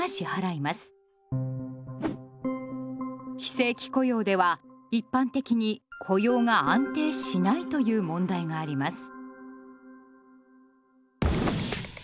非正規雇用では一般的に雇用が安定しないという問題があります。